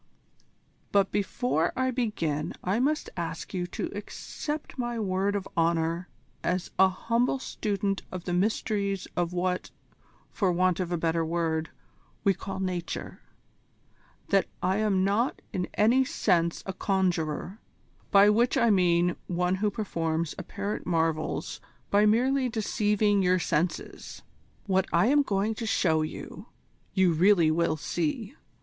But before I begin I must ask you to accept my word of honour as a humble student of the mysteries of what, for want of a better word, we call Nature, that I am not in any sense a conjurer, by which I mean one who performs apparent marvels by merely deceiving your senses. "What I am going to show you, you really will see.